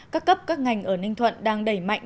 các cấp các ngành ở ninh thuận đang đẩy mạnh